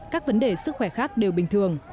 các vấn đề sức khỏe khác đều bình thường